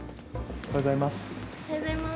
おはようございます。